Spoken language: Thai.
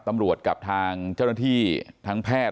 กับทางเจ้าหน้าที่ทางแพทย์